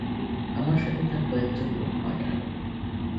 আমার সাথে তার কয়েকজন লোক পাঠাল।